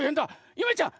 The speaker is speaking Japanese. ゆめちゃん